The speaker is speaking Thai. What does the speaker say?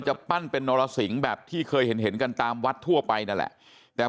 ปั้นเป็นนรสิงแบบที่เคยเห็นกันตามวัดทั่วไปนั่นแหละแต่